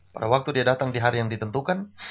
pada waktu dia datang di hari yang ditentukan